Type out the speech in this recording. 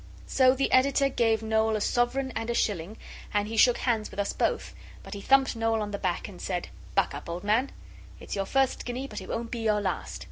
So the Editor gave Noel a sovereign and a shilling, and he shook hands with us both, but he thumped Noel on the back and said 'Buck up, old man! It's your first guinea, but it won't be your last.